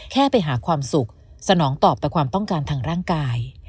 แค่ไปหาความสุขสนองตอบแต่ความต้องการทางร่างกาย